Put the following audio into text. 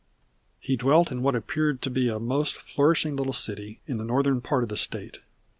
He dwelt in what appeared to be a most flourishing little city in the northern part of the State.